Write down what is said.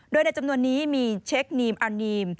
โดยในจำนวนนี้มีเช็คนีมอนีม